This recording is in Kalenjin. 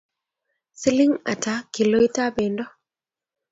siling ata kiloitab bendo